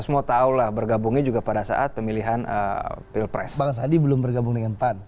semua tahu lah bergabungnya juga pada saat pemilihan pilpres bang sandi belum bergabung dengan pan